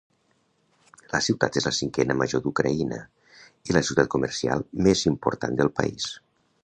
La ciutat és la cinquena major d'Ucraïna i la ciutat comercial més important del país.